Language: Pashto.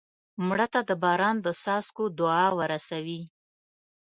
مړه ته د باران د څاڅکو دعا ورسوې